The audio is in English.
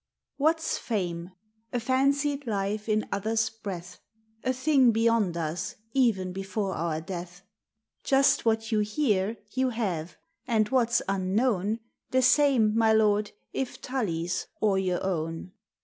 What 's fame ?— a fancied life in others' breath, A thing beyond us, e'en before our death. Just what you hear, you have ; and what 's unknown The same (my lord) if Tully's, or your own.